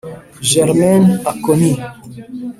Germaine Acogny